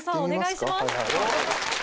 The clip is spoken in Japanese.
お願いします。